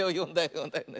よんだよね？